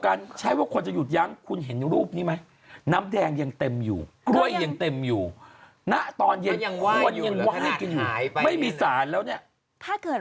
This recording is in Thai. อาจจะยกได้เพราะว่าเป็นไม้สัก